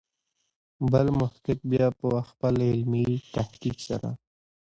بل محقق بیا په خپل علمي تحقیق سره.